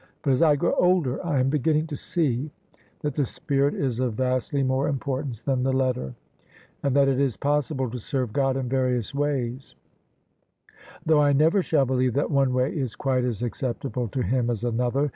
But as I grow older I am beginning to see that the spirit is of vastly more import ance than the letter; and that it is possible to serve God in various ways, though I never shall believe that one way is quite as acceptable to Him as another.